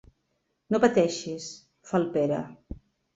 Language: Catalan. No pateixis —fa el Pere—.